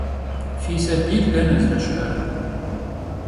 Fi sabiyr dene zdeşı'er?